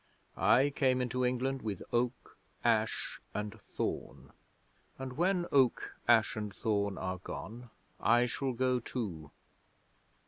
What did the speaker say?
I came into England with Oak, Ash and Thorn, and when Oak, Ash and Thorn are gone I shall go too.'